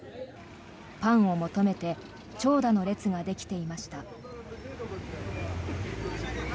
パンを求めて長蛇の列ができていました。